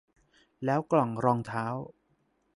แล้วกล่องรองเท้า